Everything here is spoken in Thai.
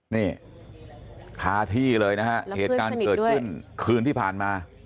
นี่คาที่เลยนะฮะเหตุการณ์เกิดขึ้นคืนที่ผ่านมา